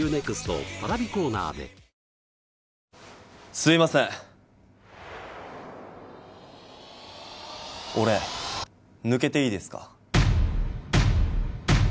すいません俺抜けていいですか？